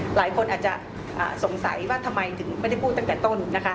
หลายคนอาจจะสงสัยว่าทำไมถึงไม่ได้พูดตั้งแต่ต้นนะคะ